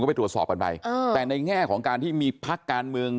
ไปตรวจสอบกันไปแต่ในแง่ของการที่มีพักการเมือง